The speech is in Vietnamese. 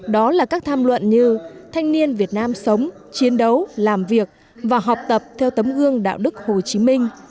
đó là các tham luận như thanh niên việt nam sống chiến đấu làm việc và học tập theo tấm gương đạo đức hồ chí minh